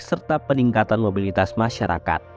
serta peningkatan mobilitas masyarakat